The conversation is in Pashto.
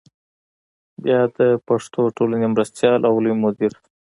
بیا د پښتو ټولنې مرستیال او لوی مدیر شو.